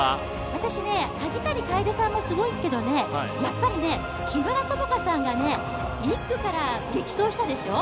私ね、萩谷楓さんもすごいけどね、やっぱり木村友香さんが１区から激走したでしょう。